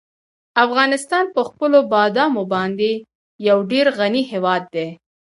افغانستان په خپلو بادامو باندې یو ډېر غني هېواد دی.